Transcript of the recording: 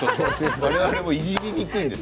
我々もいじりにくいです。